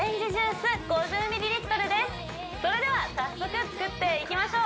それでは早速作っていきましょう